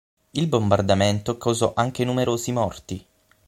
Il bombardamento causò anche numerosi morti.